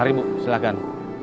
mari mbak silahkan